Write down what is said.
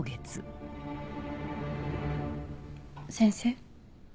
先生？